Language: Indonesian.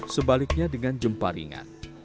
sebaliknya dengan jempa ringan